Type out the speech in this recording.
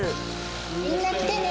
みんな来てね。